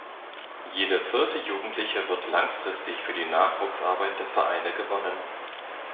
Jeder vierte Jugendliche wird langfristig für die Nachwuchsarbeit der Vereine gewonnen.